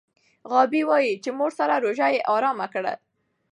غابي وايي چې مور سره روژه یې ارام کړ.